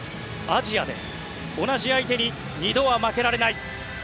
アジアで、同じ相手に２度は負けられない。